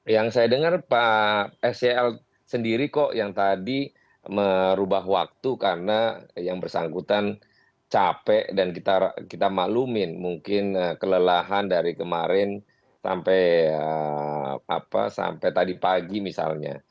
yang saya dengar pak sel sendiri kok yang tadi merubah waktu karena yang bersangkutan capek dan kita maklumin mungkin kelelahan dari kemarin sampai tadi pagi misalnya